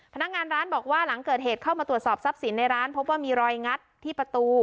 พนักงานร้านบอกว่าหลังเกิดเหตุเข้ามาตรวจสอบทรัพย์สินในร้านพบว่ามีรอยงัดที่ประตู